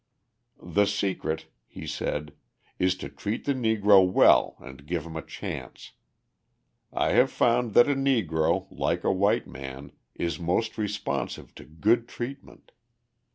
"The secret," he said, "is to treat the Negro well and give him a chance. I have found that a Negro, like a white man, is most responsive to good treatment.